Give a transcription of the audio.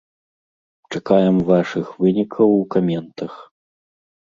Чакаем вашых вынікаў у каментах!